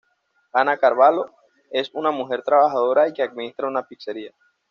Ana Carvalho es una mujer trabajadora y que administra una pizzería.